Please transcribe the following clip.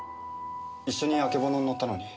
一緒にあけぼのに乗ったのに。